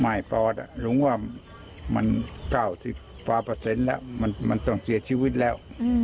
ไม่ปลอดภัยหรือว่ามัน๙๐แล้วมันต้องเสียชีวิตแล้ว